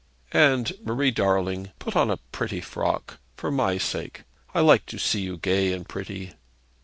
'And, Marie darling, put on a pretty frock, for my sake. I like to see you gay and pretty.'